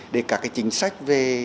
để các chính sách về